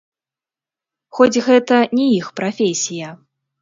Хоць гэта не іх прафесія.